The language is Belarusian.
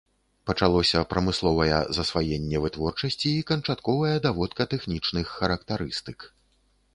Пачалося прамысловая засваенне вытворчасці і канчатковая даводка тэхнічных характарыстык.